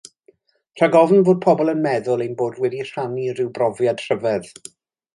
Rhag ofn bod pobl yn meddwl ein bod wedi rhannu rhyw brofiad rhyfedd.